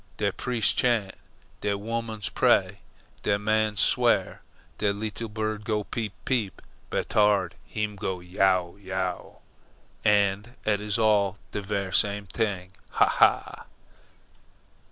De priest chant, de womans pray, de mans swear, de leetle bird go peep peep, Batard, heem go yow yow an' eet is all de ver' same t'ing. Ha! ha!"